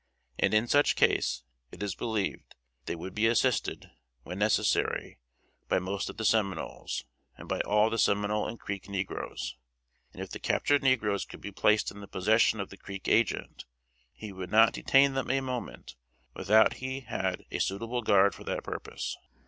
And in such case, it is believed, they would be assisted, when necessary, by most of the Seminoles, and by all the Seminole and Creek negroes; and if the captured negroes could be placed in the possession of the Creek agent, he would not detain them a moment without he had a suitable guard for that purpose.